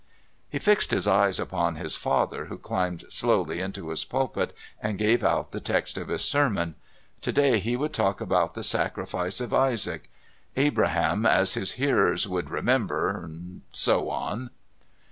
He fixed his eyes upon his father, who climbed slowly into his pulpit and gave out the text of his sermon. To day he would talk about the sacrifice of Isaac. "Abraham, as his hearers would remember..." and so on.